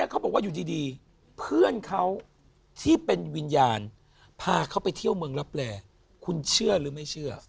เขาบอกว่าอยู่ดีเพื่อนเขาที่เป็นวิญญาณพาเขาไปเที่ยวเมืองรับแลคุณเชื่อหรือไม่เชื่อ